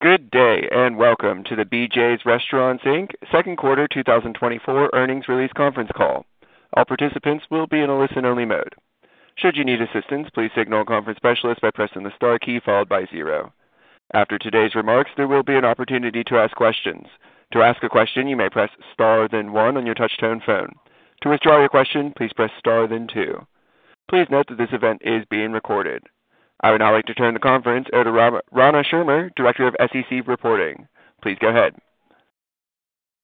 Good day and welcome to the BJ's Restaurants, Inc., second quarter 2024 Earnings release Conference Call. All participants will be in a listen-only mode. Should you need assistance, please signal conference specialist by pressing the star key followed by zero. After today's remarks, there will be an opportunity to ask questions. To ask a question, you may press star then one on your touch-tone phone. To withdraw your question, please press star then two. Please note that this event is being recorded. I would now like to turn the conference over to Rana Schirmer, Director of SEC Reporting. Please go ahead.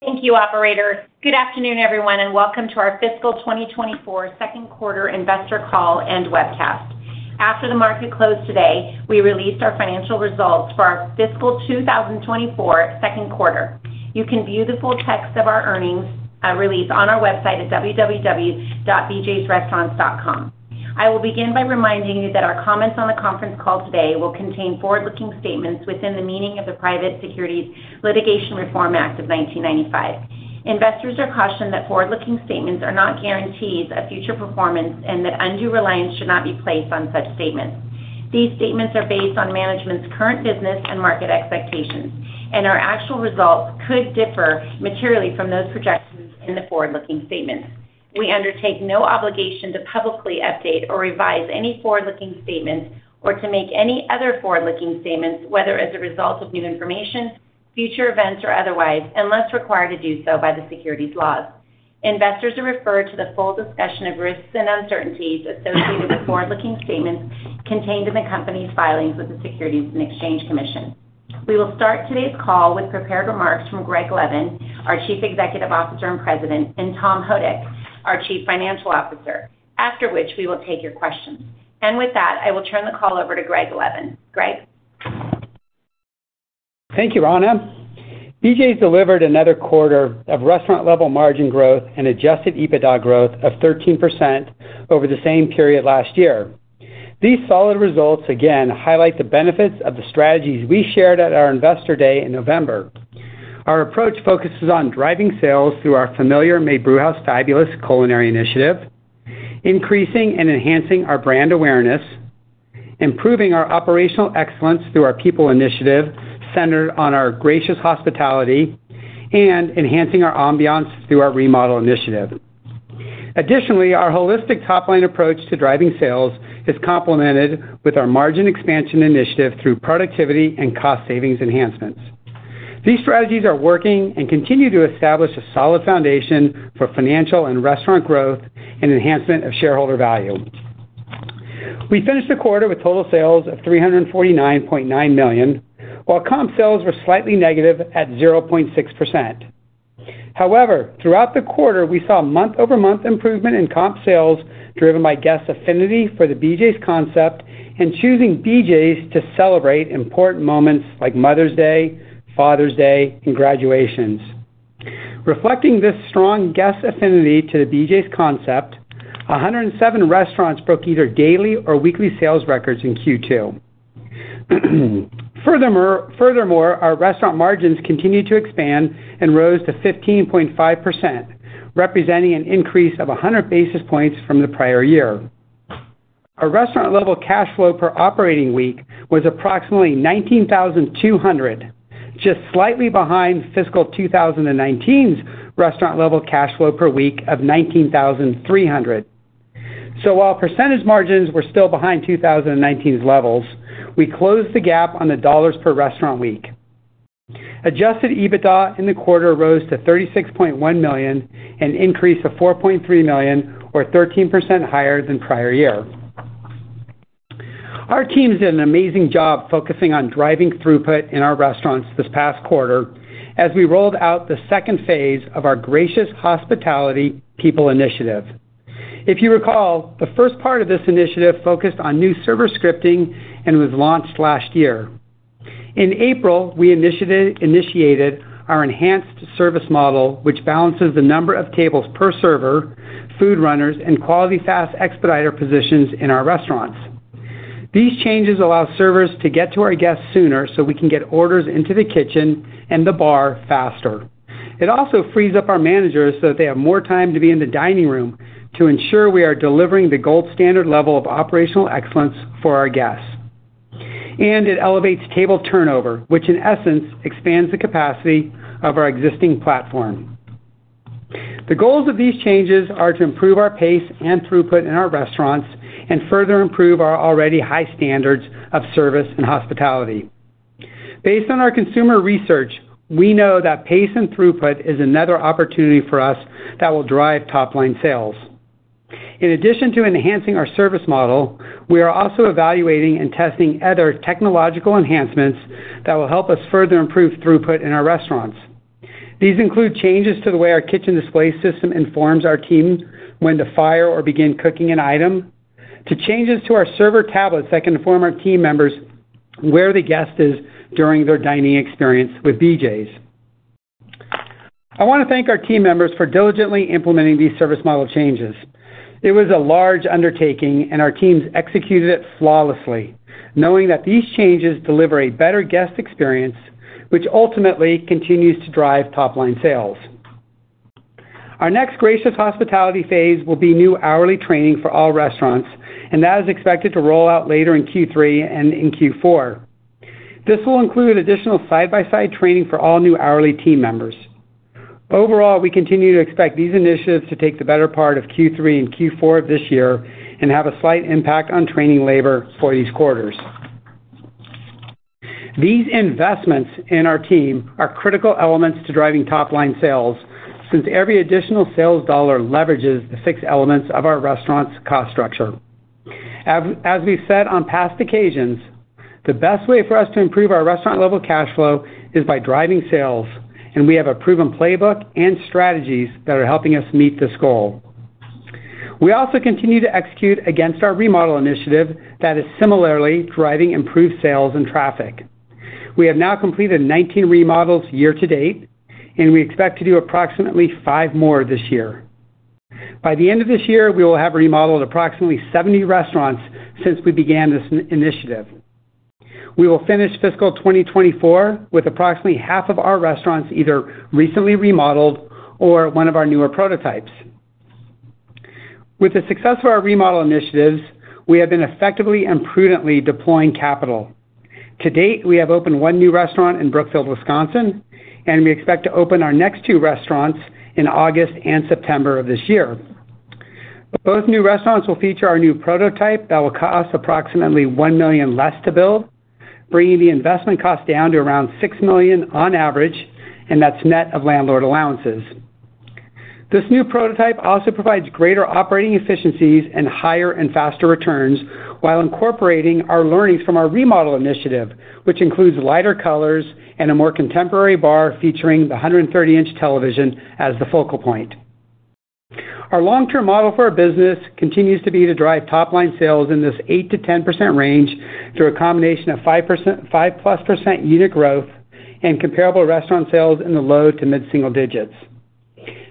Thank you, Operator. Good afternoon, everyone, and welcome to our fiscal 2024 second quarter investor call and webcast. After the market closed today, we released our financial results for our fiscal 2024 second quarter. You can view the full text of our earnings release on our website at www.bjsrestaurants.com. I will begin by reminding you that our comments on the conference call today will contain forward-looking statements within the meaning of the Private Securities Litigation Reform Act of 1995. Investors are cautioned that forward-looking statements are not guarantees of future performance and that undue reliance should not be placed on such statements. These statements are based on management's current business and market expectations, and our actual results could differ materially from those projected in the forward-looking statements. We undertake no obligation to publicly update or revise any forward-looking statements or to make any other forward-looking statements, whether as a result of new information, future events, or otherwise, unless required to do so by the securities laws. Investors are referred to the full discussion of risks and uncertainties associated with forward-looking statements contained in the company's filings with the Securities and Exchange Commission. We will start today's call with prepared remarks from Greg Levin, our Chief Executive Officer and President, and Tom Houdek, our Chief Financial Officer, after which we will take your questions. With that, I will turn the call over to Greg Levin. Greg. Thank you, Rana. BJ's delivered another quarter of restaurant-level margin growth and adjusted EBITDA growth of 13% over the same period last year. These solid results, again, highlight the benefits of the strategies we shared at our Investor Day in November. Our approach focuses on driving sales through our Familiar Made Brewhouse Fabulous culinary initiative, increasing and enhancing our brand awareness, improving our operational excellence through our people initiative centered on our Gracious Hospitality, and enhancing our ambiance through our remodel initiative. Additionally, our holistic top-line approach to driving sales is complemented with our margin expansion initiative through productivity and cost savings enhancements. These strategies are working and continue to establish a solid foundation for financial and restaurant growth and enhancement of shareholder value. We finished the quarter with total sales of $349.9 million, while comp sales were slightly negative at 0.6%. However, throughout the quarter, we saw month-over-month improvement in comp sales driven by guest affinity for the BJ's concept and choosing BJ's to celebrate important moments like Mother's Day, Father's Day, and graduations. Reflecting this strong guest affinity to the BJ's concept, 107 restaurants broke either daily or weekly sales records in Q2. Furthermore, our restaurant margins continued to expand and rose to 15.5%, representing an increase of 100 basis points from the prior year. Our restaurant-level cash flow per operating week was approximately $19,200, just slightly behind fiscal 2019's restaurant-level cash flow per week of $19,300. So while percentage margins were still behind 2019's levels, we closed the gap on the dollars per restaurant week. Adjusted EBITDA in the quarter rose to $36.1 million and increased to $4.3 million, or 13% higher than prior year. Our team did an amazing job focusing on driving throughput in our restaurants this past quarter as we rolled out the second phase of our Gracious Hospitality people initiative. If you recall, the first part of this initiative focused on new server scripting and was launched last year. In April, we initiated our enhanced service model, which balances the number of tables per server, food runners, and quality fast expediter positions in our restaurants. These changes allow servers to get to our guests sooner so we can get orders into the kitchen and the bar faster. It also frees up our managers so that they have more time to be in the dining room to ensure we are delivering the gold standard level of operational excellence for our guests. And it elevates table turnover, which in essence expands the capacity of our existing platform. The goals of these changes are to improve our pace and throughput in our restaurants and further improve our already high standards of service and hospitality. Based on our consumer research, we know that pace and throughput is another opportunity for us that will drive top-line sales. In addition to enhancing our service model, we are also evaluating and testing other technological enhancements that will help us further improve throughput in our restaurants. These include changes to the way our Kitchen Display System informs our team when to fire or begin cooking an item, to changes to our server tablets that can inform our team members where the guest is during their dining experience with BJ's. I want to thank our team members for diligently implementing these service model changes. It was a large undertaking, and our teams executed it flawlessly, knowing that these changes deliver a better guest experience, which ultimately continues to drive top-line sales. Our next Gracious Hospitality phase will be new hourly training for all restaurants, and that is expected to roll out later in Q3 and in Q4. This will include additional side-by-side training for all new hourly team members. Overall, we continue to expect these initiatives to take the better part of Q3 and Q4 of this year and have a slight impact on training labor for these quarters. These investments in our team are critical elements to driving top-line sales since every additional sales dollar leverages the fixed elements of our restaurant's cost structure. As we've said on past occasions, the best way for us to improve our restaurant-level cash flow is by driving sales, and we have a proven playbook and strategies that are helping us meet this goal. We also continue to execute against our remodel initiative that is similarly driving improved sales and traffic. We have now completed 19 remodels year to date, and we expect to do approximately 5 more this year. By the end of this year, we will have remodeled approximately 70 restaurants since we began this initiative. We will finish fiscal 2024 with approximately half of our restaurants either recently remodeled or one of our newer prototypes. With the success of our remodel initiatives, we have been effectively and prudently deploying capital. To date, we have opened one new restaurant in Brookfield, Wisconsin, and we expect to open our next two restaurants in August and September of this year. Both new restaurants will feature our new prototype that will cost approximately $1 million less to build, bringing the investment cost down to around $6 million on average, and that's net of landlord allowances. This new prototype also provides greater operating efficiencies and higher and faster returns while incorporating our learnings from our remodel initiative, which includes lighter colors and a more contemporary bar featuring the 130-inch television as the focal point. Our long-term model for our business continues to be to drive top-line sales in this 8%-10% range through a combination of 5%+ unit growth and comparable restaurant sales in the low- to mid-single digits.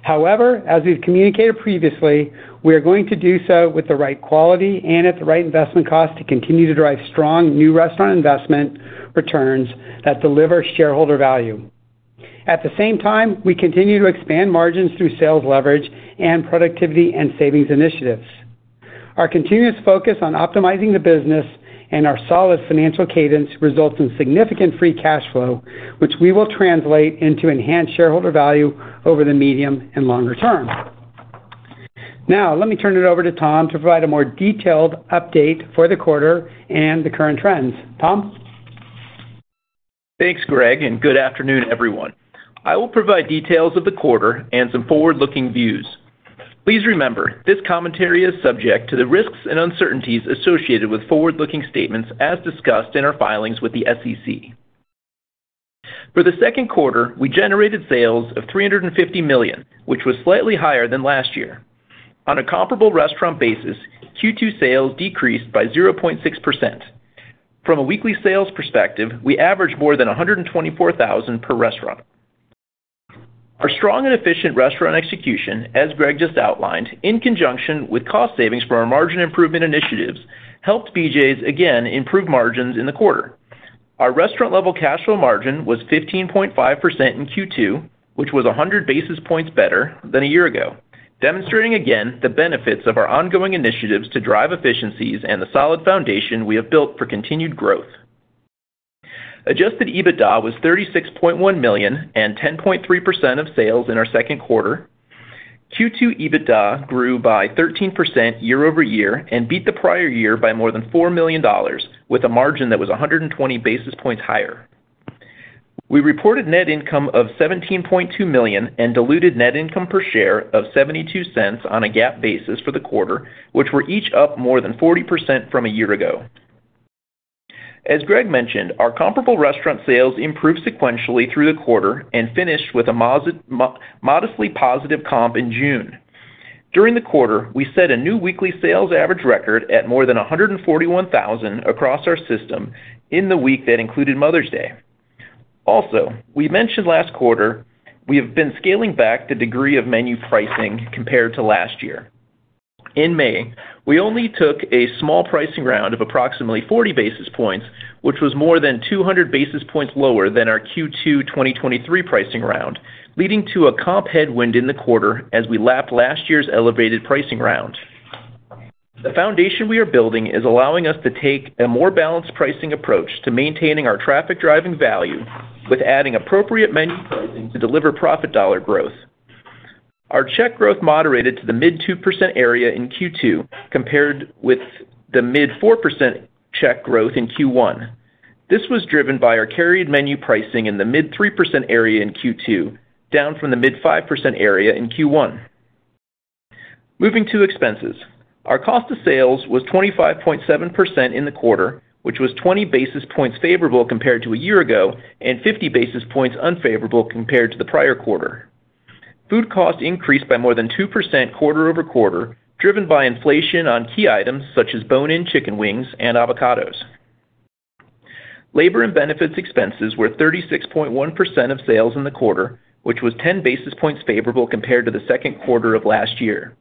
However, as we've communicated previously, we are going to do so with the right quality and at the right investment cost to continue to drive strong new restaurant investment returns that deliver shareholder value. At the same time, we continue to expand margins through sales leverage and productivity and savings initiatives. Our continuous focus on optimizing the business and our solid financial cadence results in significant free cash flow, which we will translate into enhanced shareholder value over the medium and longer term. Now, let me turn it over to Tom to provide a more detailed update for the quarter and the current trends. Tom? Thanks, Greg, and good afternoon, everyone. I will provide details of the quarter and some forward-looking views. Please remember, this commentary is subject to the risks and uncertainties associated with forward-looking statements as discussed in our filings with the SEC. For the second quarter, we generated sales of $350 million, which was slightly higher than last year. On a comparable restaurant basis, Q2 sales decreased by 0.6%. From a weekly sales perspective, we averaged more than 124,000 per restaurant. Our strong and efficient restaurant execution, as Greg just outlined, in conjunction with cost savings from our margin improvement initiatives, helped BJ's again improve margins in the quarter. Our restaurant-level cash flow margin was 15.5% in Q2, which was 100 basis points better than a year ago, demonstrating again the benefits of our ongoing initiatives to drive efficiencies and the solid foundation we have built for continued growth. Adjusted EBITDA was $36.1 million and 10.3% of sales in our second quarter. Q2 EBITDA grew by 13% year-over-year and beat the prior year by more than $4 million, with a margin that was 120 basis points higher. We reported net income of $17.2 million and diluted net income per share of $0.72 on a GAAP basis for the quarter, which were each up more than 40% from a year ago. As Greg mentioned, our comparable restaurant sales improved sequentially through the quarter and finished with a modestly positive comp in June. During the quarter, we set a new weekly sales average record at more than 141,000 across our system in the week that included Mother's Day. Also, we mentioned last quarter, we have been scaling back the degree of menu pricing compared to last year. In May, we only took a small pricing round of approximately 40 basis points, which was more than 200 basis points lower than our Q2 2023 pricing round, leading to a comp headwind in the quarter as we lapped last year's elevated pricing round. The foundation we are building is allowing us to take a more balanced pricing approach to maintaining our traffic driving value with adding appropriate menu pricing to deliver profit dollar growth. Our check growth moderated to the mid 2% area in Q2 compared with the mid 4% check growth in Q1. This was driven by our carried menu pricing in the mid 3% area in Q2, down from the mid 5% area in Q1. Moving to expenses, our cost of sales was 25.7% in the quarter, which was 20 basis points favorable compared to a year ago and 50 basis points unfavorable compared to the prior quarter. Food cost increased by more than 2% quarter-over-quarter, driven by inflation on key items such as bone-in chicken wings and avocados. Labor and benefits expenses were 36.1% of sales in the quarter, which was 10 basis points favorable compared to the second quarter of last year.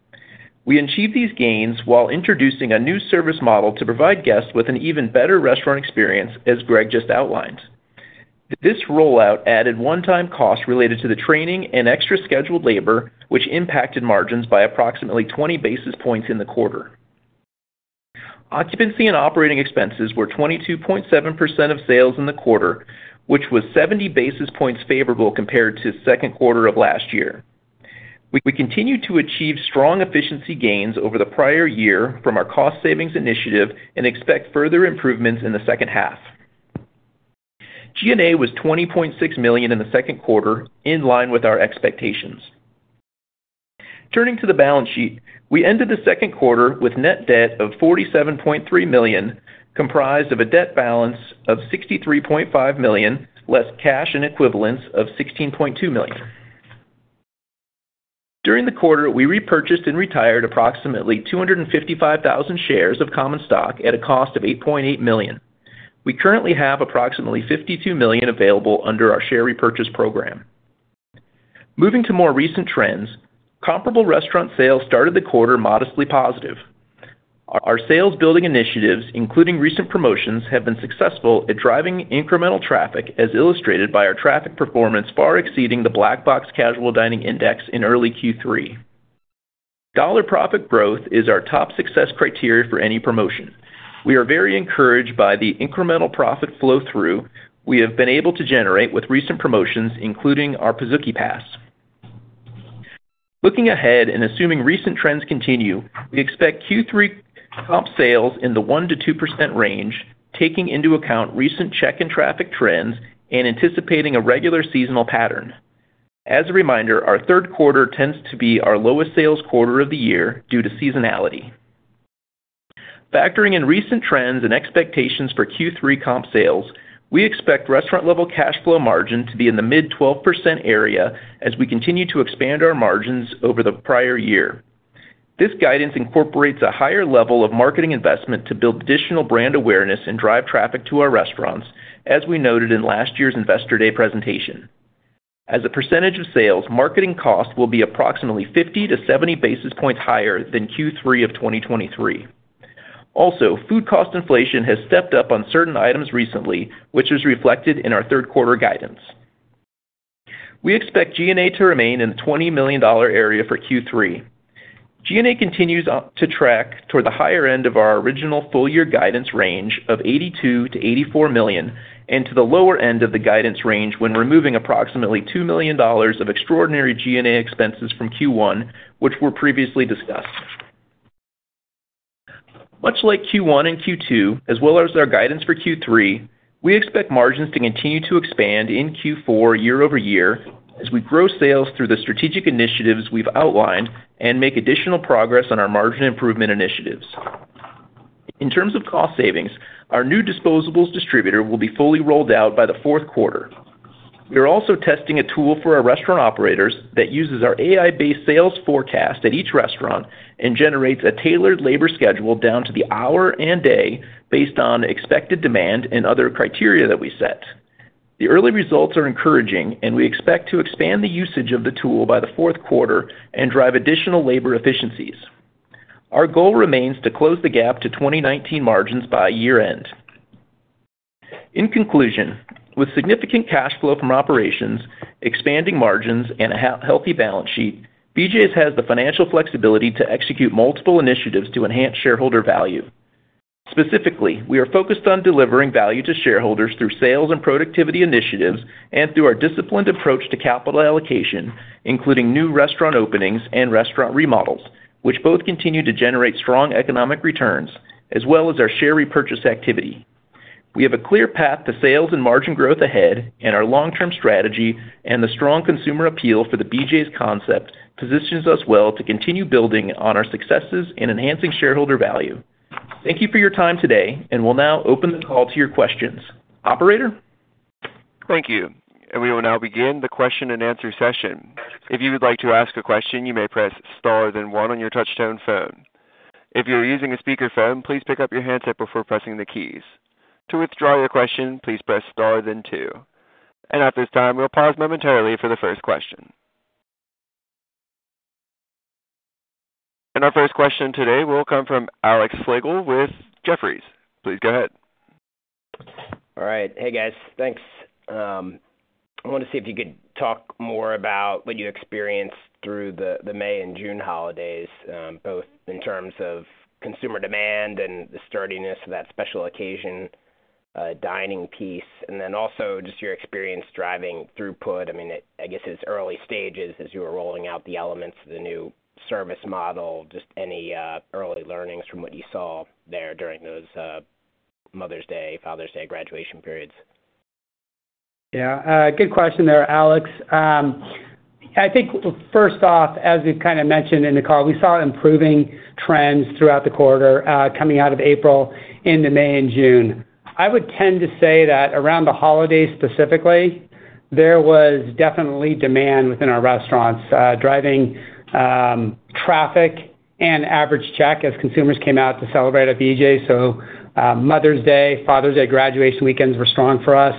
We achieved these gains while introducing a new service model to provide guests with an even better restaurant experience, as Greg just outlined. This rollout added one-time costs related to the training and extra scheduled labor, which impacted margins by approximately 20 basis points in the quarter. Occupancy and operating expenses were 22.7% of sales in the quarter, which was 70 basis points favorable compared to the second quarter of last year. We continue to achieve strong efficiency gains over the prior year from our cost savings initiative and expect further improvements in the second half. G&A was $20.6 million in the second quarter, in line with our expectations. Turning to the balance sheet, we ended the second quarter with net debt of $47.3 million, comprised of a debt balance of $63.5 million, less cash and equivalents of $16.2 million. During the quarter, we repurchased and retired approximately 255,000 shares of common stock at a cost of $8.8 million. We currently have approximately $52 million available under our share repurchase program. Moving to more recent trends, comparable restaurant sales started the quarter modestly positive. Our sales-building initiatives, including recent promotions, have been successful at driving incremental traffic, as illustrated by our traffic performance far exceeding the Black Box Casual Dining Index in early Q3. Dollar profit growth is our top success criteria for any promotion. We are very encouraged by the incremental profit flow-through we have been able to generate with recent promotions, including our Pizookie Pass. Looking ahead and assuming recent trends continue, we expect Q3 comp sales in the 1%-2% range, taking into account recent check-in traffic trends and anticipating a regular seasonal pattern. As a reminder, our third quarter tends to be our lowest sales quarter of the year due to seasonality. Factoring in recent trends and expectations for Q3 comp sales, we expect restaurant-level cash flow margin to be in the mid-12% area as we continue to expand our margins over the prior year. This guidance incorporates a higher level of marketing investment to build additional brand awareness and drive traffic to our restaurants, as we noted in last year's Investor Day presentation. As a percentage of sales, marketing costs will be approximately 50-70 basis points higher than Q3 of 2023. Also, food cost inflation has stepped up on certain items recently, which is reflected in our third quarter guidance. We expect G&A to remain in the $20 million area for Q3. G&A continues to track toward the higher end of our original full-year guidance range of $82 million-$84 million and to the lower end of the guidance range when removing approximately $2 million of extraordinary G&A expenses from Q1, which were previously discussed. Much like Q1 and Q2, as well as our guidance for Q3, we expect margins to continue to expand in Q4 year-over-year as we grow sales through the strategic initiatives we've outlined and make additional progress on our margin improvement initiatives. In terms of cost savings, our new disposables distributor will be fully rolled out by the fourth quarter. We are also testing a tool for our restaurant operators that uses our AI-based sales forecast at each restaurant and generates a tailored labor schedule down to the hour and day based on expected demand and other criteria that we set. The early results are encouraging, and we expect to expand the usage of the tool by the fourth quarter and drive additional labor efficiencies. Our goal remains to close the gap to 2019 margins by year-end. In conclusion, with significant cash flow from operations, expanding margins, and a healthy balance sheet, BJ's has the financial flexibility to execute multiple initiatives to enhance shareholder value. Specifically, we are focused on delivering value to shareholders through sales and productivity initiatives and through our disciplined approach to capital allocation, including new restaurant openings and restaurant remodels, which both continue to generate strong economic returns, as well as our share repurchase activity. We have a clear path to sales and margin growth ahead, and our long-term strategy and the strong consumer appeal for the BJ's concept positions us well to continue building on our successes in enhancing shareholder value. Thank you for your time today, and we'll now open the call to your questions. Operator? Thank you. We will now begin the question-and-answer session. If you would like to ask a question, you may press star then one on your touch-tone phone. If you're using a speakerphone, please pick up your handset before pressing the keys. To withdraw your question, please press star then two. And at this time, we'll pause momentarily for the first question. And our first question today will come from Alex Slagle with Jefferies. Please go ahead. All right. Hey, guys. Thanks. I wanted to see if you could talk more about what you experienced through the May and June holidays, both in terms of consumer demand and the sturdiness of that special occasion dining piece, and then also just your experience driving throughput. I mean, I guess it was early stages as you were rolling out the elements of the new service model. Just any early learnings from what you saw there during those Mother's Day, Father's Day graduation periods? Yeah. Good question there, Alex. I think, first off, as we've kind of mentioned in the call, we saw improving trends throughout the quarter coming out of April in the May and June. I would tend to say that around the holidays specifically, there was definitely demand within our restaurants, driving traffic and average check as consumers came out to celebrate at BJ's. So Mother's Day, Father's Day graduation weekends were strong for us.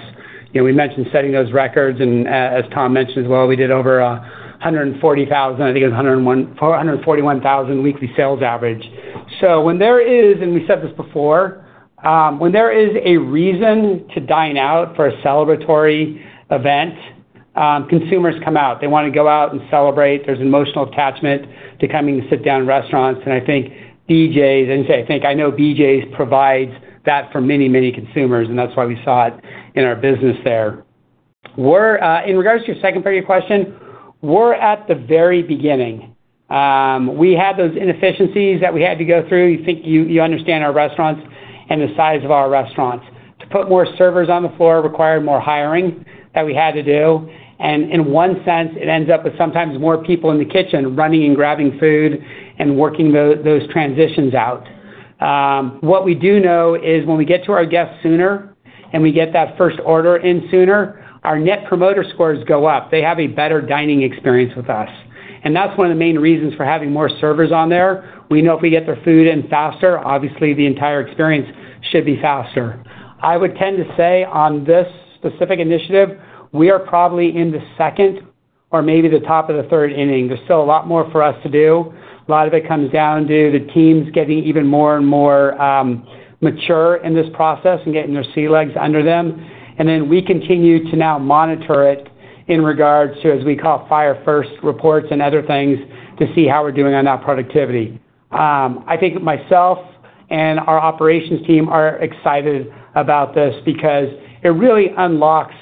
We mentioned setting those records, and as Tom mentioned as well, we did over 140,000. I think it was 141,000 weekly sales average. So when there is, and we said this before, when there is a reason to dine out for a celebratory event, consumers come out. They want to go out and celebrate. There's emotional attachment to coming to sit down restaurants. I think BJ's, I think I know BJ's provides that for many, many consumers, and that's why we saw it in our business there. In regards to your second part of your question, we're at the very beginning. We had those inefficiencies that we had to go through. You think you understand our restaurants and the size of our restaurants. To put more servers on the floor required more hiring that we had to do. And in one sense, it ends up with sometimes more people in the kitchen running and grabbing food and working those transitions out. What we do know is when we get to our guests sooner and we get that first order in sooner, our Net Promoter Scores go up. They have a better dining experience with us. And that's one of the main reasons for having more servers on there. We know if we get their food in faster, obviously the entire experience should be faster. I would tend to say on this specific initiative, we are probably in the second or maybe the top of the third inning. There's still a lot more for us to do. A lot of it comes down to the teams getting even more and more mature in this process and getting their sea legs under them. And then we continue to now monitor it in regards to, as we call, fire-first reports and other things to see how we're doing on that productivity. I think myself and our operations team are excited about this because it really unlocks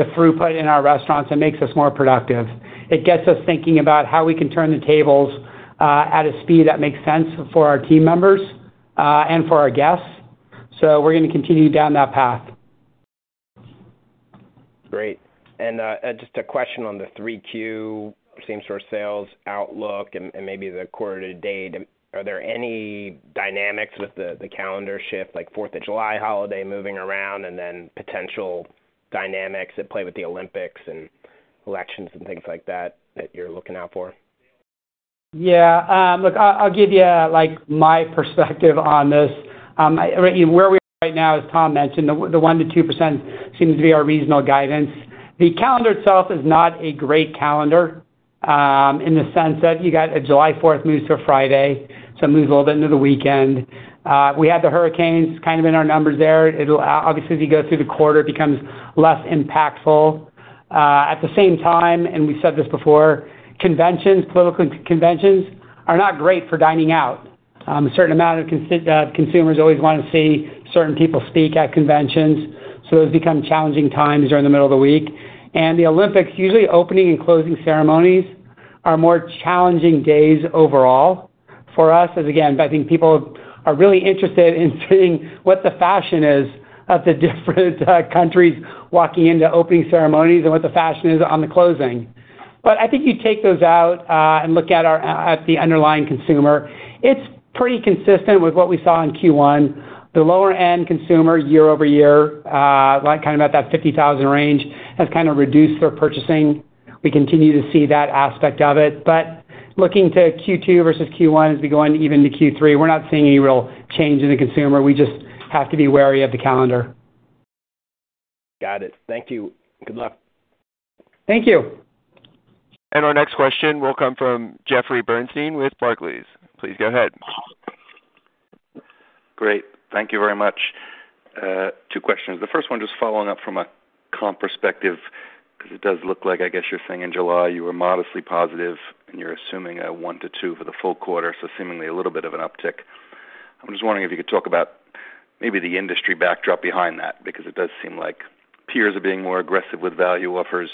the throughput in our restaurants and makes us more productive. It gets us thinking about how we can turn the tables at a speed that makes sense for our team members and for our guests. We're going to continue down that path. Great. Just a question on the 3Q, same sort of sales outlook and maybe the quarter to date. Are there any dynamics with the calendar shift, like 4th of July holiday moving around and then potential dynamics that play with the Olympics and elections and things like that that you're looking out for? Yeah. Look, I'll give you my perspective on this. Where we are right now, as Tom mentioned, the 1%-2% seems to be our reasonable guidance. The calendar itself is not a great calendar in the sense that you got a July 4th moves to a Friday, so it moves a little bit into the weekend. We had the hurricanes kind of in our numbers there. Obviously, as you go through the quarter, it becomes less impactful. At the same time, and we said this before, political conventions are not great for dining out. A certain amount of consumers always want to see certain people speak at conventions. So those become challenging times during the middle of the week. The Olympics, usually opening and closing ceremonies, are more challenging days overall for us, as again, I think people are really interested in seeing what the fashion is of the different countries walking into opening ceremonies and what the fashion is on the closing. But I think you take those out and look at the underlying consumer. It's pretty consistent with what we saw in Q1. The lower-end consumer year-over-year, kind of at that 50,000 range, has kind of reduced their purchasing. We continue to see that aspect of it. But looking to Q2 versus Q1 as we go on even to Q3, we're not seeing any real change in the consumer. We just have to be wary of the calendar. Got it. Thank you. Good luck. Thank you. And our next question will come from Jeffrey Bernstein with Barclays. Please go ahead. Great. Thank you very much. 2 questions. The first one, just following up from a comp perspective, because it does look like, I guess you're saying in July you were modestly positive and you're assuming a 1-2 for the full quarter, so seemingly a little bit of an uptick. I'm just wondering if you could talk about maybe the industry backdrop behind that, because it does seem like peers are being more aggressive with value offers,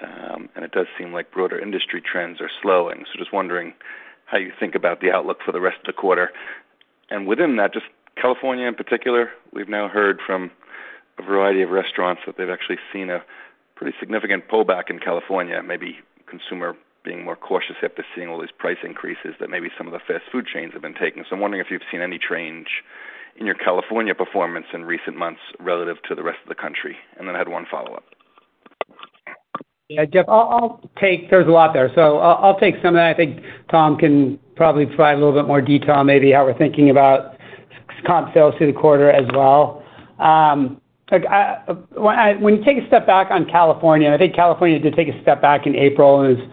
and it does seem like broader industry trends are slowing. So just wondering how you think about the outlook for the rest of the quarter. And within that, just California in particular, we've now heard from a variety of restaurants that they've actually seen a pretty significant pullback in California, maybe consumer being more cautious after seeing all these price increases that maybe some of the fast food chains have been taking. I'm wondering if you've seen any change in your California performance in recent months relative to the rest of the country. Then I had one follow-up. Yeah, Jeff, there's a lot there. So I'll take some of that. I think Tom can probably provide a little bit more detail, maybe how we're thinking about comp sales through the quarter as well. When you take a step back on California, I think California did take a step back in April and is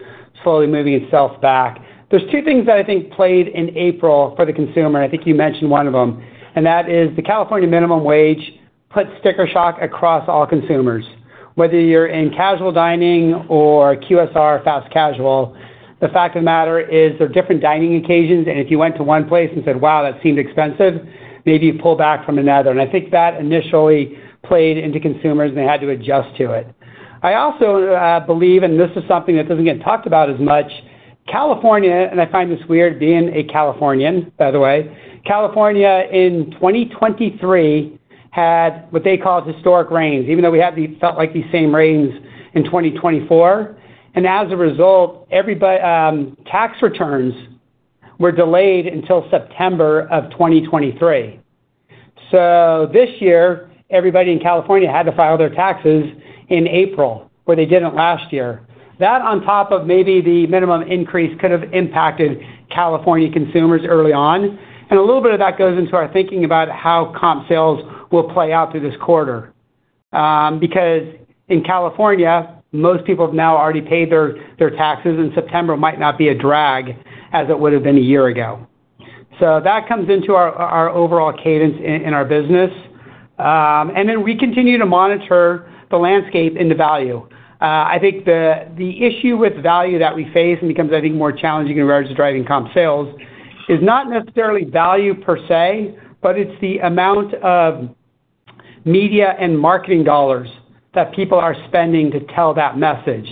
slowly moving itself back. There's two things that I think played in April for the consumer, and I think you mentioned one of them. And that is the California minimum wage put sticker shock across all consumers. Whether you're in casual dining or QSR fast casual, the fact of the matter is there are different dining occasions, and if you went to one place and said, "Wow, that seemed expensive," maybe you pull back from another. And I think that initially played into consumers, and they had to adjust to it. I also believe, and this is something that doesn't get talked about as much, California, and I find this weird being a Californian, by the way, California in 2023 had what they call historic rains, even though we had felt like the same rains in 2024. And as a result, tax returns were delayed until September of 2023. So this year, everybody in California had to file their taxes in April, where they didn't last year. That on top of maybe the minimum increase could have impacted California consumers early on. And a little bit of that goes into our thinking about how comp sales will play out through this quarter. Because in California, most people have now already paid their taxes, and September might not be a drag as it would have been a year ago. So that comes into our overall cadence in our business. And then we continue to monitor the landscape in the value. I think the issue with value that we face and becomes, I think, more challenging in regards to driving comp sales is not necessarily value per se, but it's the amount of media and marketing dollars that people are spending to tell that message.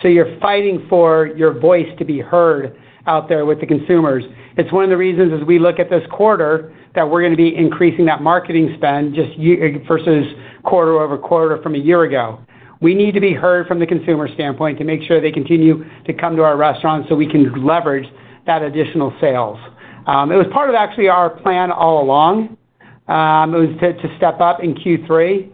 So you're fighting for your voice to be heard out there with the consumers. It's one of the reasons, as we look at this quarter, that we're going to be increasing that marketing spend just versus quarter-over-quarter from a year ago. We need to be heard from the consumer standpoint to make sure they continue to come to our restaurants so we can leverage that additional sales. It was part of actually our plan all along. It was to step up in Q3,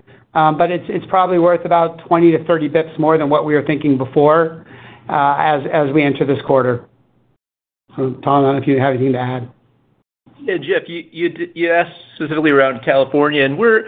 but it's probably worth about 20-30 basis points more than what we were thinking before as we enter this quarter. Tom, I don't know if you have anything to add? Yeah, Jeff, you asked specifically around California, and we're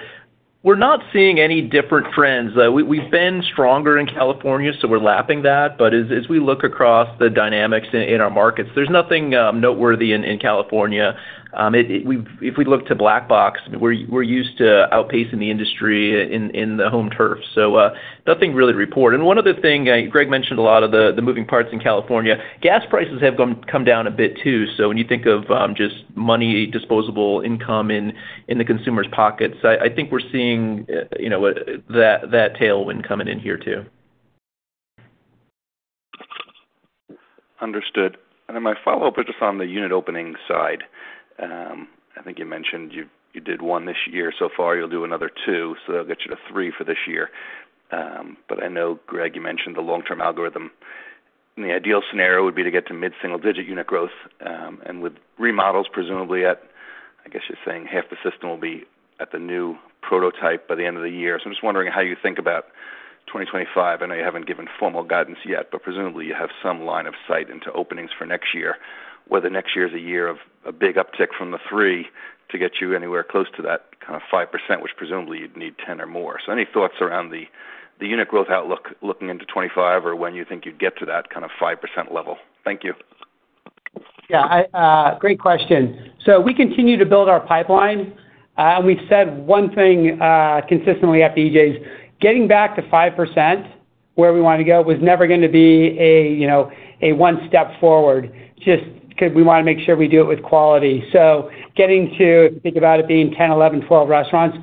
not seeing any different trends. We've been stronger in California, so we're lapping that. But as we look across the dynamics in our markets, there's nothing noteworthy in California. If we look to Black Box, we're used to outpacing the industry in the home turf. So nothing really reported. And one other thing, Greg mentioned a lot of the moving parts in California. Gas prices have come down a bit too. So when you think of just money, disposable income in the consumer's pockets, I think we're seeing that tailwind coming in here too. Understood. And then my follow-up is just on the unit opening side. I think you mentioned you did 1 this year. So far, you'll do another 2, so that'll get you to 3 for this year. But I know, Greg, you mentioned the long-term algorithm. In the ideal scenario, it would be to get to mid-single-digit unit growth. And with remodels, presumably at, I guess you're saying, half the system will be at the new prototype by the end of the year. So I'm just wondering how you think about 2025. I know you haven't given formal guidance yet, but presumably you have some line of sight into openings for next year. Whether next year is a year of a big uptick from the 3 to get you anywhere close to that kind of 5%, which presumably you'd need 10 or more. So any thoughts around the unit growth outlook looking into 2025 or when you think you'd get to that kind of 5% level? Thank you. Yeah. Great question. So we continue to build our pipeline. We've said one thing consistently at BJ's. Getting back to 5%, where we want to go, was never going to be a one step forward. Just we want to make sure we do it with quality. So getting to, if you think about it, being 10, 11, 12 restaurants,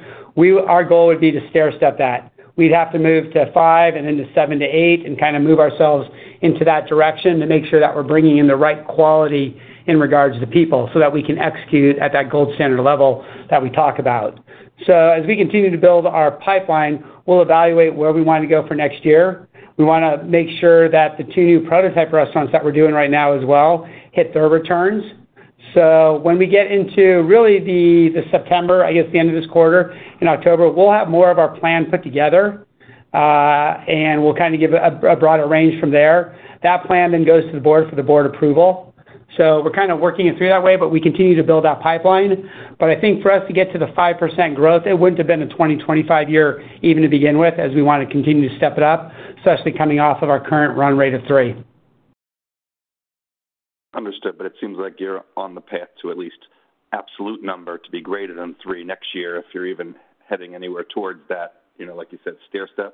our goal would be to stair-step that. We'd have to move to 5 and then to 7-8 and kind of move ourselves into that direction to make sure that we're bringing in the right quality in regards to people so that we can execute at that gold standard level that we talk about. So as we continue to build our pipeline, we'll evaluate where we want to go for next year. We want to make sure that the 2 new prototype restaurants that we're doing right now as well hit their returns. So when we get into really the September, I guess the end of this quarter, in October, we'll have more of our plan put together, and we'll kind of give a broader range from there. That plan then goes to the board for the board approval. So we're kind of working it through that way, but we continue to build that pipeline. But I think for us to get to the 5% growth, it wouldn't have been a 2025 year even to begin with as we want to continue to step it up, especially coming off of our current run rate of 3. Understood. But it seems like you're on the path to at least absolute number to be greater than three next year if you're even heading anywhere towards that, like you said, stair-step.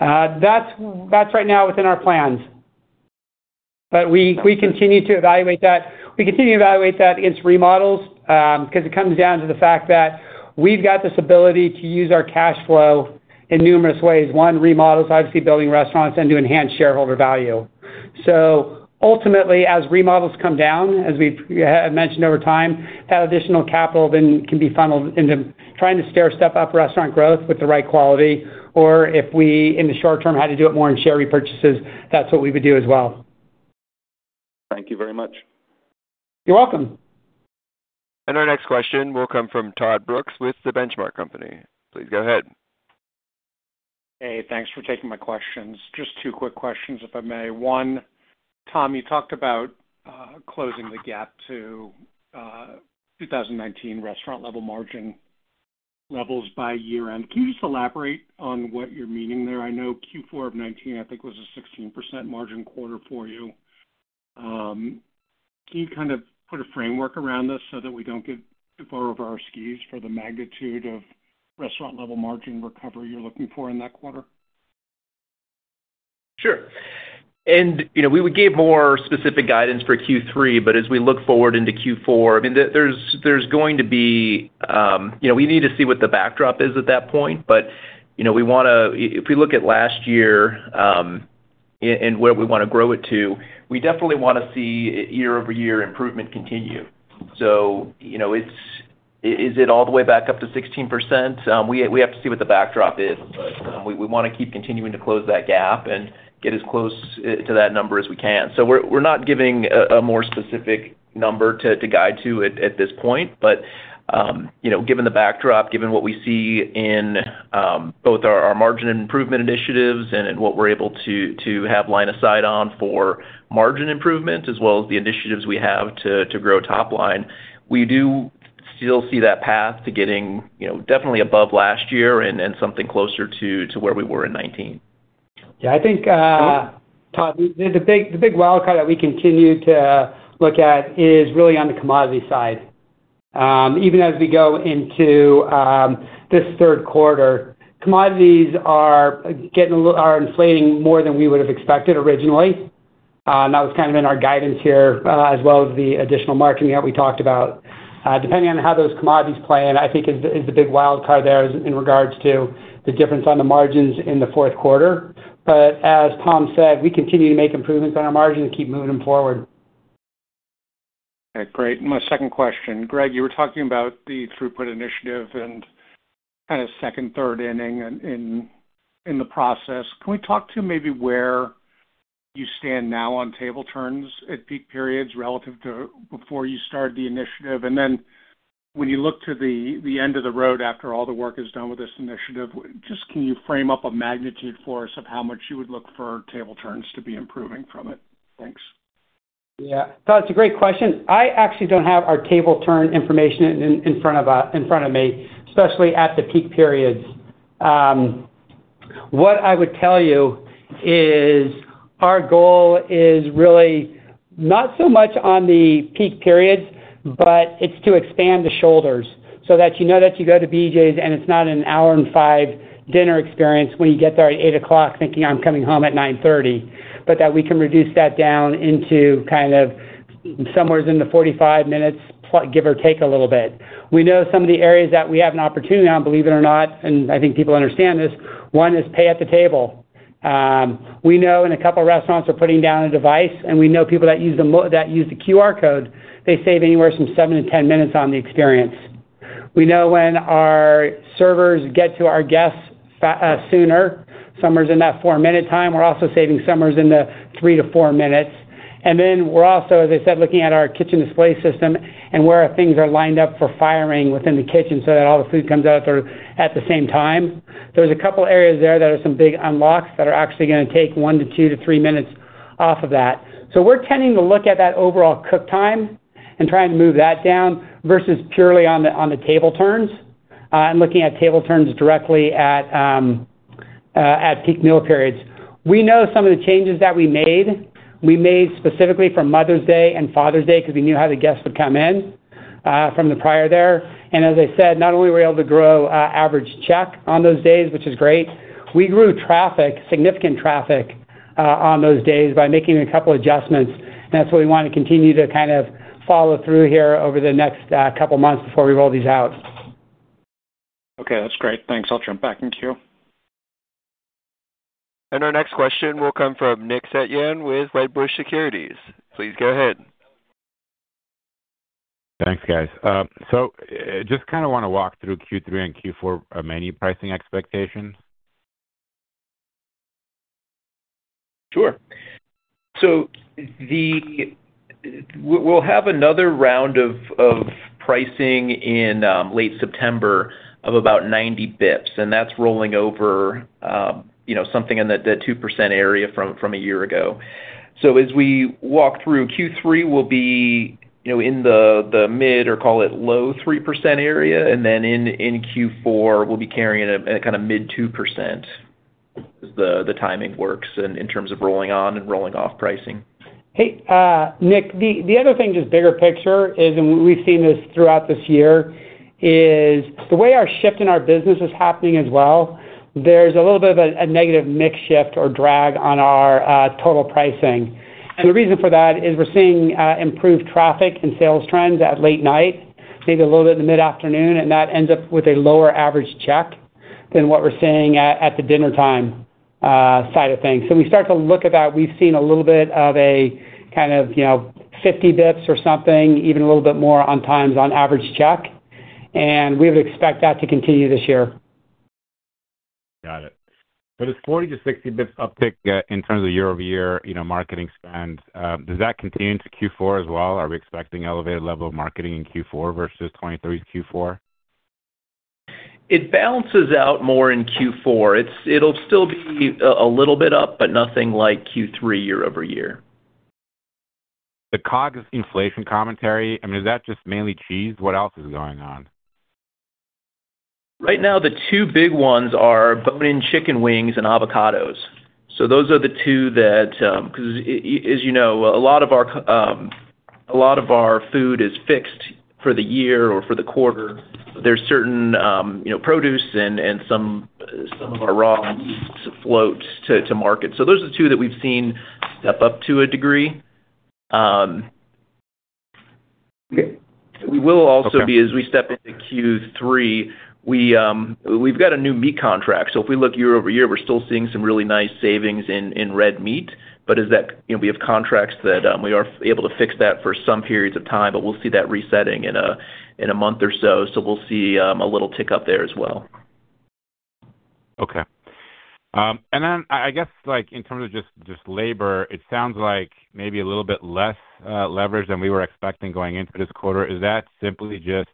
That's right now within our plans. But we continue to evaluate that. We continue to evaluate that against remodels because it comes down to the fact that we've got this ability to use our cash flow in numerous ways. One, remodels, obviously building restaurants and to enhance shareholder value. So ultimately, as remodels come down, as we have mentioned over time, that additional capital then can be funneled into trying to stair-step up restaurant growth with the right quality. Or if we, in the short-term, had to do it more in share repurchases, that's what we would do as well. Thank you very much. You're welcome. Our next question will come from Todd Brooks with the Benchmark Company. Please go ahead. Hey, thanks for taking my questions. Just two quick questions, if I may. One, Tom, you talked about closing the gap to 2019 restaurant-level margin levels by year-end. Can you just elaborate on what you're meaning there? I know Q4 of 2019, I think, was a 16% margin quarter for you. Can you kind of put a framework around this so that we don't get too far over our skis for the magnitude of restaurant-level margin recovery you're looking for in that quarter? Sure. And we would give more specific guidance for Q3, but as we look forward into Q4, I mean, there's going to be we need to see what the backdrop is at that point, but we want to, if we look at last year and where we want to grow it to, we definitely want to see year-over-year improvement continue. So is it all the way back up to 16%? We have to see what the backdrop is. We want to keep continuing to close that gap and get as close to that number as we can. So we're not giving a more specific number to guide to at this point. But given the backdrop, given what we see in both our margin improvement initiatives and what we're able to have line of sight on for margin improvement, as well as the initiatives we have to grow topline, we do still see that path to getting definitely above last year and something closer to where we were in 2019. Yeah. I think, Tom, the big wildcard that we continue to look at is really on the commodity side. Even as we go into this third quarter, commodities are inflating more than we would have expected originally. And that was kind of in our guidance here, as well as the additional marketing that we talked about. Depending on how those commodities play, I think, is the big wildcard there in regards to the difference on the margins in the fourth quarter. But as Tom said, we continue to make improvements on our margins and keep moving them forward. Okay. Great. And my second question, Greg, you were talking about the throughput initiative and kind of second, third inning in the process. Can we talk to maybe where you stand now on table turns at peak periods relative to before you started the initiative? And then when you look to the end of the road after all the work is done with this initiative, just can you frame up a magnitude for us of how much you would look for table turns to be improving from it? Thanks. Yeah. Todd, it's a great question. I actually don't have our table turn information in front of me, especially at the peak periods. What I would tell you is our goal is really not so much on the peak periods, but it's to expand the shoulders so that you know that you go to BJ's and it's not a 1 hour and 5 minute dinner experience when you get there at 8:00 P.M. thinking, "I'm coming home at 9:30 P.M." But that we can reduce that down into kind of somewhere in the 45 minutes, give or take a little bit. We know some of the areas that we have an opportunity on, believe it or not, and I think people understand this. One is pay at the table. We know in a couple of restaurants are putting down a device, and we know people that use the QR code, they save anywhere from 7-10 minutes on the experience. We know when our servers get to our guests sooner, somewhere in that 4-minute time, we're also saving somewhere in the 3-4 minutes. And then we're also, as I said, looking at our Kitchen Display System and where things are lined up for firing within the kitchen so that all the food comes out at the same time. There's a couple of areas there that are some big unlocks that are actually going to take 1-2-3 minutes off of that. So we're tending to look at that overall cook time and trying to move that down versus purely on the table turns and looking at table turns directly at peak meal periods. We know some of the changes that we made. We made specifically for Mother's Day and Father's Day because we knew how the guests would come in from the prior there. And as I said, not only were we able to grow average check on those days, which is great, we grew traffic, significant traffic on those days by making a couple of adjustments. And that's what we want to continue to kind of follow through here over the next couple of months before we roll these out. Okay. That's great. Thanks. I'll jump back in queue. Our next question will come from Nick Setyan with Wedbush Securities. Please go ahead. Thanks, guys. So just kind of want to walk through Q3 and Q4 menu pricing expectations. Sure. So we'll have another round of pricing in late September of about 90 basis points. And that's rolling over something in the 2% area from a year ago. So as we walk through, Q3 will be in the mid or call it low 3% area. And then in Q4, we'll be carrying a kind of mid 2% as the timing works in terms of rolling on and rolling off pricing. Hey, Nick, the other thing, just bigger picture, and we've seen this throughout this year, is the way our shift in our business is happening as well. There's a little bit of a negative mix shift or drag on our total pricing. And the reason for that is we're seeing improved traffic and sales trends at late night, maybe a little bit in the mid-afternoon. And that ends up with a lower average check than what we're seeing at the dinnertime side of things. So when we start to look at that, we've seen a little bit of a kind of 50 basis points or something, even a little bit more impact on average check. And we would expect that to continue this year. Got it. For this 40-60 basis points uptick in terms of year-over-year marketing spend, does that continue into Q4 as well? Are we expecting an elevated level of marketing in Q4 versus 2023's Q4? It balances out more in Q4. It'll still be a little bit up, but nothing like Q3 year-over-year. The COGS inflation commentary, I mean, is that just mainly cheese? What else is going on? Right now, the two big ones are bone-in chicken wings and avocados. So those are the two that because, as you know, a lot of our food is fixed for the year or for the quarter. There's certain produce and some of our raw meats float to market. So those are the two that we've seen step up to a degree. We will also be, as we step into Q3, we've got a new meat contract. So if we look year-over-year, we're still seeing some really nice savings in red meat. But we have contracts that we are able to fix that for some periods of time, but we'll see that resetting in a month or so. So we'll see a little tick up there as well. Okay. And then I guess in terms of just labor, it sounds like maybe a little bit less leverage than we were expecting going into this quarter. Is that simply just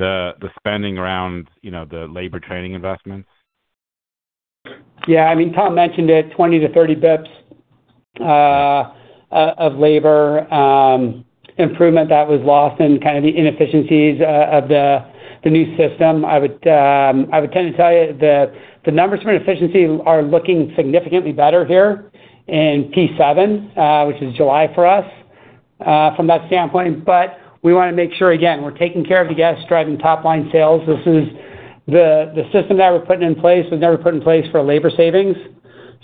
the spending around the labor training investments? Yeah. I mean, Tom mentioned it, 20-30 basis points of labor improvement that was lost in kind of the inefficiencies of the new system. I would tend to tell you the numbers for inefficiency are looking significantly better here in P7, which is July for us from that standpoint. But we want to make sure, again, we're taking care of the guests, driving topline sales. This is the system that we're putting in place. We've never put in place for labor savings.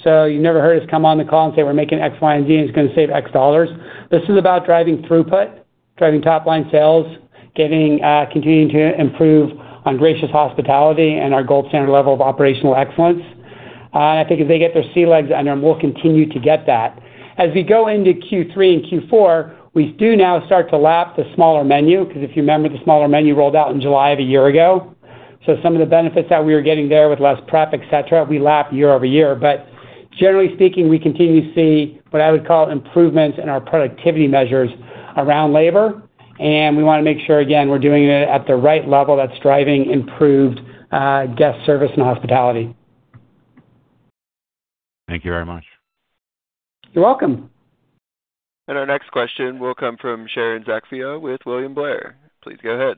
So you never heard us come on the call and say, "We're making X, Y, and Z, and it's going to save X dollars." This is about driving throughput, driving topline sales, continuing to improve on Gracious Hospitality and our gold standard level of operational excellence. And I think if they get their sea legs under them, we'll continue to get that. As we go into Q3 and Q4, we do now start to lap the smaller menu because if you remember, the smaller menu rolled out in July of a year ago. So some of the benefits that we were getting there with less prep, etc., we lap year-over-year. But generally speaking, we continue to see what I would call improvements in our productivity measures around labor. And we want to make sure, again, we're doing it at the right level that's driving improved guest service and hospitality. Thank you very much. You're welcome. Our next question will come from Sharon Zackfia with William Blair. Please go ahead.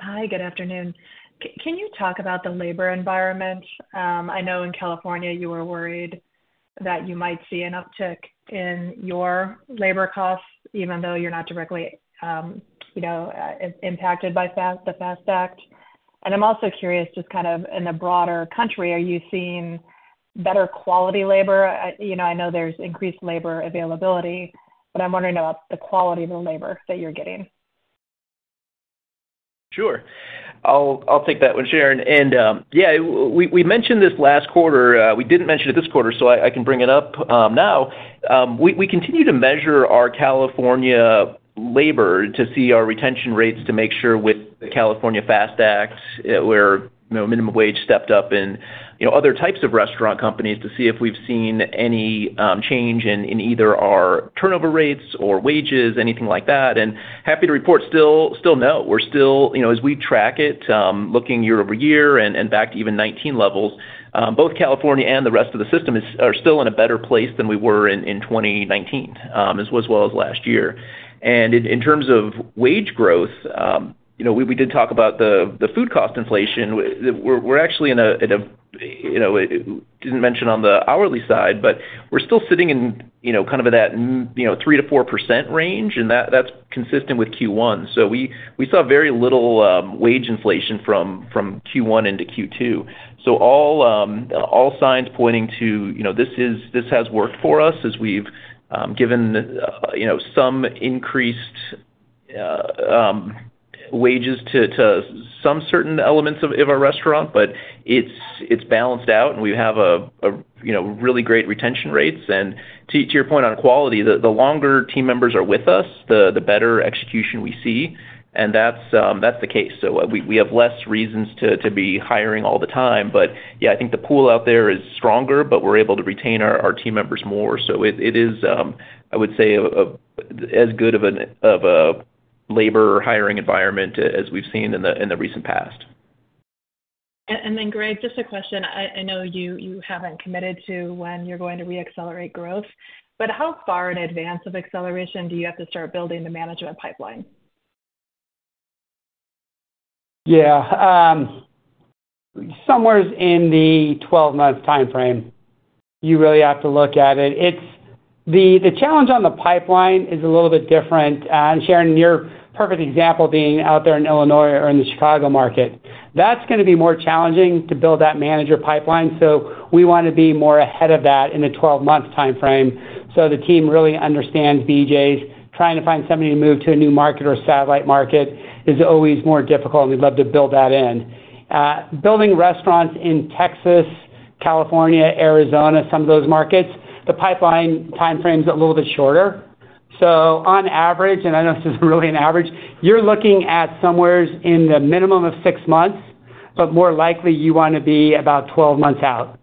Hi, good afternoon. Can you talk about the labor environment? I know in California, you were worried that you might see an uptick in your labor costs, even though you're not directly impacted by the FAST Act. I'm also curious, just kind of in the broader country, are you seeing better quality labor? I know there's increased labor availability, but I'm wondering about the quality of the labor that you're getting. Sure. I'll take that one, Sharon. And yeah, we mentioned this last quarter. We didn't mention it this quarter, so I can bring it up now. We continue to measure our California labor to see our retention rates to make sure with the California FAST Act, where minimum wage stepped up, and other types of restaurant companies to see if we've seen any change in either our turnover rates or wages, anything like that. And happy to report, still no. As we track it, looking year-over-year and back to even 2019 levels, both California and the rest of the system are still in a better place than we were in 2019, as well as last year. And in terms of wage growth, we did talk about the food cost inflation. Didn't mention on the hourly side, but we're still sitting in kind of that 3%-4% range, and that's consistent with Q1. So we saw very little wage inflation from Q1 into Q2. So all signs pointing to this has worked for us as we've given some increased wages to some certain elements of our restaurant, but it's balanced out, and we have really great retention rates. To your point on quality, the longer team members are with us, the better execution we see, and that's the case. So we have less reasons to be hiring all the time. But yeah, I think the pool out there is stronger, but we're able to retain our team members more. So it is, I would say, as good of a labor hiring environment as we've seen in the recent past. And then, Greg, just a question. I know you haven't committed to when you're going to re-accelerate growth, but how far in advance of acceleration do you have to start building the management pipeline? Yeah. Somewhere in the 12-month timeframe, you really have to look at it. The challenge on the pipeline is a little bit different. And Sharon, your perfect example being out there in Illinois or in the Chicago market, that's going to be more challenging to build that manager pipeline. So we want to be more ahead of that in the 12-month timeframe so the team really understands BJ's. Trying to find somebody to move to a new market or satellite market is always more difficult, and we'd love to build that in. Building restaurants in Texas, California, Arizona, some of those markets, the pipeline timeframe's a little bit shorter. So on average, and I know this isn't really an average, you're looking at somewhere in the minimum of 6 months, but more likely you want to be about 12 months out.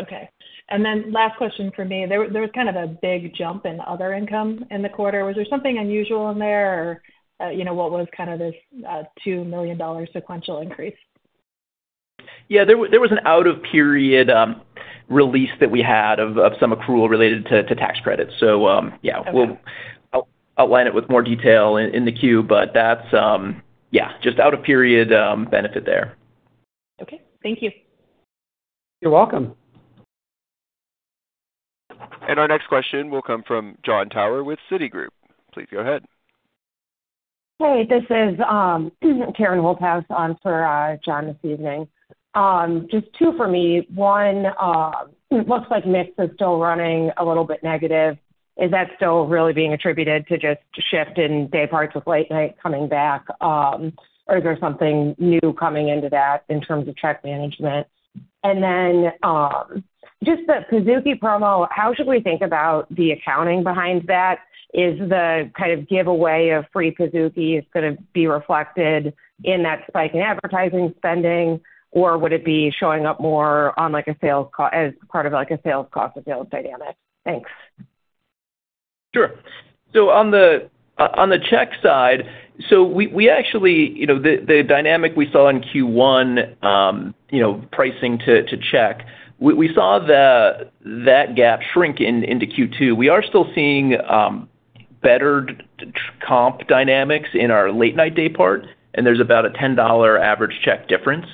Okay. And then last question for me. There was kind of a big jump in other income in the quarter. Was there something unusual in there, or what was kind of this $2 million sequential increase? Yeah. There was an out-of-period release that we had of some accrual related to tax credits. So yeah, we'll outline it with more detail in the Q, but that's, yeah, just out-of-period benefit there. Okay. Thank you. You're welcome. Our next question will come from Jon Tower with Citigroup. Please go ahead. Hey, this is Kary Wilcox on for Jon this evening. Just two for me. One, it looks like mix is still running a little bit negative. Is that still really being attributed to just the shift in dayparts with late night coming back, or is there something new coming into that in terms of check management? And then just the Pizookie promo, how should we think about the accounting behind that? Is the kind of giveaway of free Pizookie going to be reflected in that spike in advertising spending, or would it be showing up more as part of a sales cost or sales dynamic? Thanks. Sure. So on the check side, so we actually, the dynamic we saw in Q1, pricing to check, we saw that gap shrink into Q2. We are still seeing better comp dynamics in our late-night daypart, and there's about a $10 average check difference,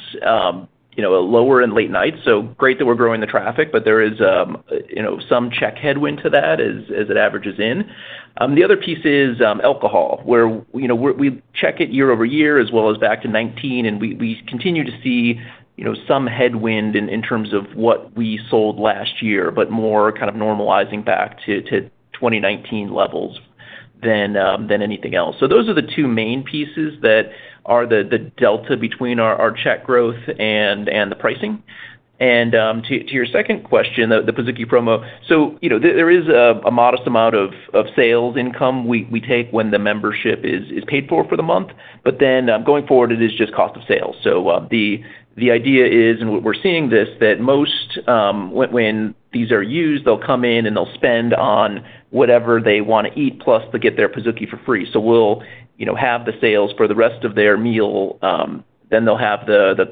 lower in late night. So great that we're growing the traffic, but there is some check headwind to that as it averages in. The other piece is alcohol, where we check it year-over-year as well as back to 2019, and we continue to see some headwind in terms of what we sold last year, but more kind of normalizing back to 2019 levels than anything else. So those are the two main pieces that are the delta between our check growth and the pricing. And to your second question, the Pizookie promo, so there is a modest amount of sales income we take when the membership is paid for for the month, but then going forward, it is just cost of sales. So the idea is, and we're seeing this, that most, when these are used, they'll come in and they'll spend on whatever they want to eat, plus they get their Pizookie for free. So we'll have the sales for the rest of their meal, then they'll have the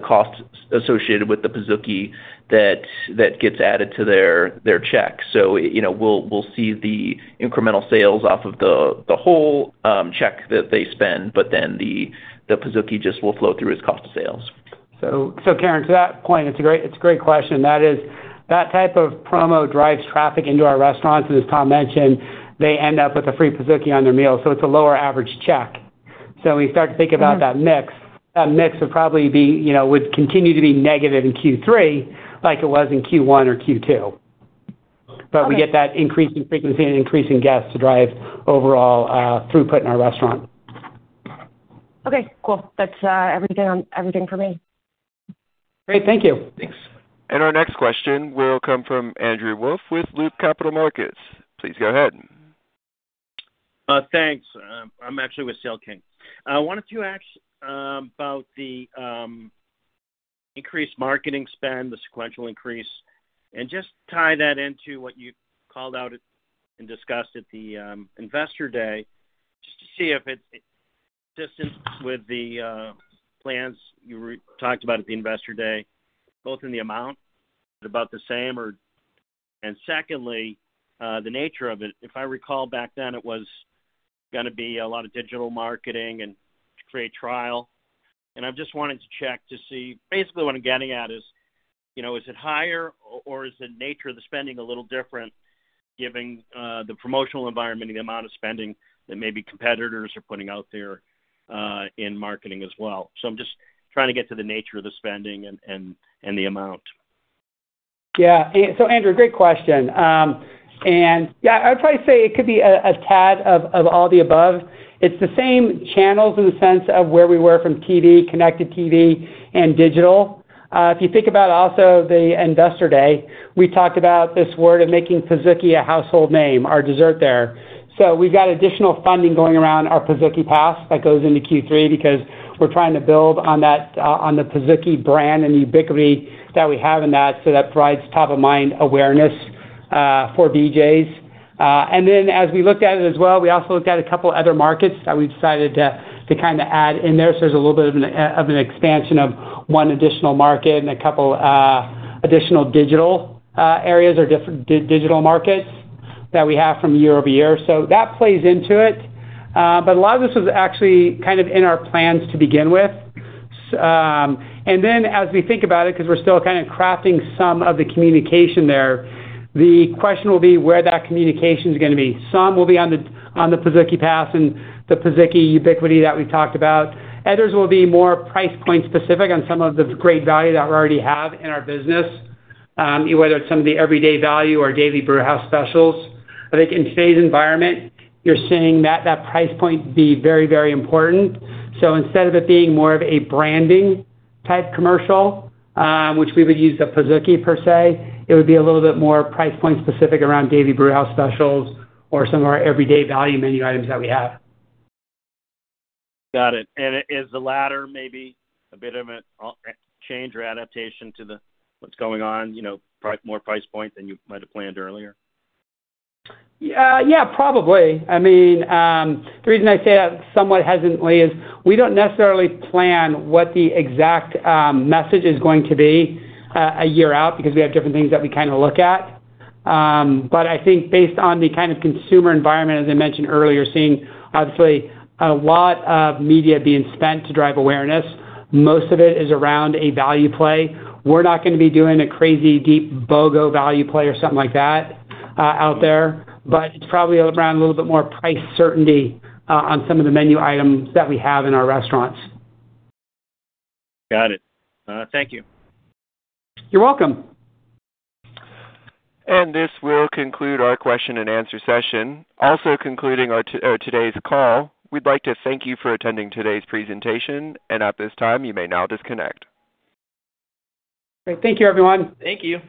cost associated with the Pizookie that gets added to their check. So we'll see the incremental sales off of the whole check that they spend, but then the Pizookie just will flow through as cost of sales. So Kary, to that point, it's a great question. That type of promo drives traffic into our restaurants. And as Tom mentioned, they end up with a free Pizookie on their meal. So it's a lower average check. So when you start to think about that mix, that mix would probably continue to be negative in Q3 like it was in Q1 or Q2. But we get that increasing frequency and increasing guests to drive overall throughput in our restaurant. Okay. Cool. That's everything for me. Great. Thank you. Thanks. And our next question will come from Andrew Wolf with Loop Capital Markets. Please go ahead. Thanks. I'm actually with CL King. I wanted to ask about the increased marketing spend, the sequential increase, and just tie that into what you called out and discussed at the Investor Day, just to see if it's consistent with the plans you talked about at the Investor Day, both in the amount, is it about the same, or? And secondly, the nature of it. If I recall back then, it was going to be a lot of digital marketing and free trial. And I just wanted to check to see basically what I'm getting at is, is it higher, or is the nature of the spending a little different given the promotional environment and the amount of spending that maybe competitors are putting out there in marketing as well? So I'm just trying to get to the nature of the spending and the amount. Yeah. So Andrew, great question. And yeah, I would probably say it could be a tad of all the above. It's the same channels in the sense of where we were from TV, connected TV, and digital. If you think about also the Investor Day, we talked about this word of making Pizookie a household name, our dessert there. So we've got additional funding going around our Pizookie Pass that goes into Q3 because we're trying to build on the Pizookie brand and the ubiquity that we have in that. So that provides top-of-mind awareness for BJ's. And then as we looked at it as well, we also looked at a couple of other markets that we decided to kind of add in there. So there's a little bit of an expansion of one additional market and a couple of additional digital areas or different digital markets that we have from year-over-year. So that plays into it. But a lot of this was actually kind of in our plans to begin with. And then as we think about it, because we're still kind of crafting some of the communication there, the question will be where that communication is going to be. Some will be on the Pizookie Pass and the Pizookie ubiquity that we talked about. Others will be more price-point specific on some of the great value that we already have in our business, whether it's some of the everyday value or Daily Brewhouse Specials. I think in today's environment, you're seeing that price point be very, very important. So instead of it being more of a branding-type commercial, which we would use the Pizookie per se, it would be a little bit more price-point specific around Daily Brewhouse Specials or some of our everyday value menu items that we have. Got it. And is the latter maybe a bit of a change or adaptation to what's going on, more price point than you might have planned earlier? Yeah, probably. I mean, the reason I say that somewhat hesitantly is we don't necessarily plan what the exact message is going to be a year out because we have different things that we kind of look at. But I think based on the kind of consumer environment, as I mentioned earlier, seeing obviously a lot of media being spent to drive awareness, most of it is around a value play. We're not going to be doing a crazy deep BOGO value play or something like that out there, but it's probably around a little bit more price certainty on some of the menu items that we have in our restaurants. Got it. Thank you. You're welcome. This will conclude our question-and-answer session. Also concluding today's call, we'd like to thank you for attending today's presentation. At this time, you may now disconnect. Great. Thank you, everyone. Thank you.